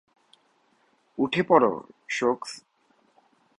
উঠে পড়ো, সোকস।